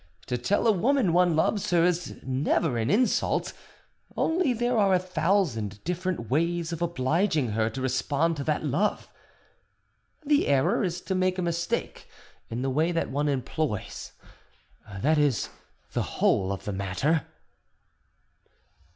To tell a woman one loves her is never an insult; only there are a thousand different ways of obliging her to respond to that love. The error is to make a mistake in the way that one employs—that is the whole of the matter."